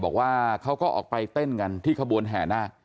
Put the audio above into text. บอกว่าเขาก็ออกไปเต้นกันที่ขบวนแห่นาค